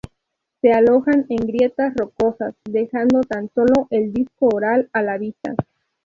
Se alojan en grietas rocosas, dejando tan sólo el disco oral a la vista.